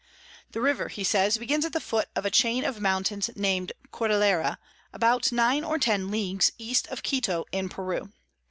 The River, he says, begins at the foot of a Chain of Mountains nam'd Cordelera, about 8 or 10 Ls. East of Quito in Peru.